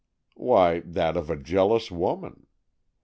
"Why, that of a jealous woman.